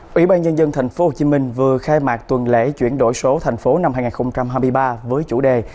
nhiều nhân dân tp hcm vừa khai mạc tuần lễ chuyển đổi số tp hcm năm hai nghìn hai mươi ba với chủ đề